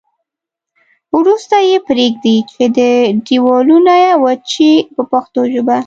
وروسته یې پرېږدي چې دېوالونه وچ شي په پښتو ژبه.